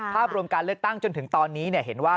ภาพรวมการเลือกตั้งจนถึงตอนนี้เห็นว่า